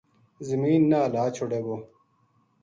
زمین نا ہلا چھوڈے گو